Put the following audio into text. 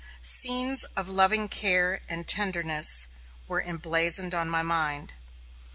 Scenes of loving care and tenderness were emblazoned on my mind.